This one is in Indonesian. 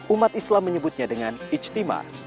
umat islam menyebutnya dengan ijtima